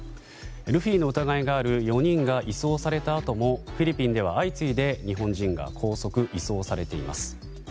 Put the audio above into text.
ルフィの疑いがある４人が移送されたあともフィリピンでは相次いで日本人が拘束・移送されています。